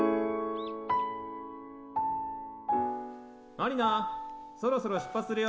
・満里奈そろそろ出発するよ。